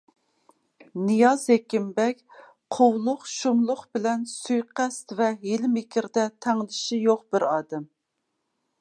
نىياز ھېكىمبەگ قۇۋلۇق، شۇملۇق بىلەن سۇيىقەست ۋە ھىيلە مىكىردە تەڭدىشى يوق بىر ئادەم.